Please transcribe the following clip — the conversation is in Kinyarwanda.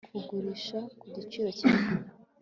kugurisha ku giciro kinini